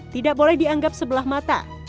tidak boleh dianggap sebelah mata